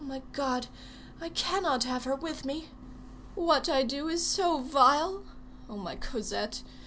Oh, my God! I cannot have her with me. What I do is so vile! Oh, my Cosette!